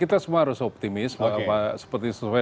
kita semua harus optimis seperti sesuai